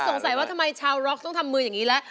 สงสัยว่าทำไมชาวร็อกต้องทำมืออย่างนี้แล้ว